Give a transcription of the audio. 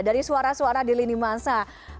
dari suara suara di lini masa